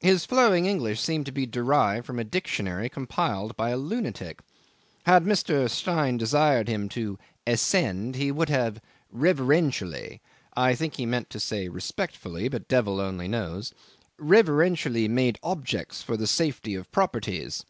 His flowing English seemed to be derived from a dictionary compiled by a lunatic. Had Mr. Stein desired him to "ascend," he would have "reverentially" (I think he wanted to say respectfully but devil only knows) "reverentially made objects for the safety of properties."